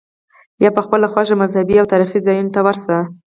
یا په خپله خوښه مذهبي او تاریخي ځایونو ته ورشې.